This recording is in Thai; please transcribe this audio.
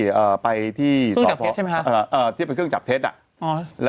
เครื่องจับเท็จใช่ไหมคะเออเครื่องจับเท็จ